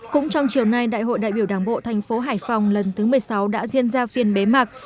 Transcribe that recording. cũng trong chiều nay đại hội đại biểu đảng bộ thành phố hải phòng lần thứ một mươi sáu đã diên ra phiên bế mạc